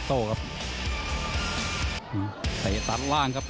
ต่อยแล้วแรง